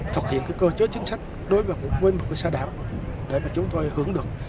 thực hiện cái cơ chế chính sách đối với một cái xã đảo để mà chúng tôi hưởng được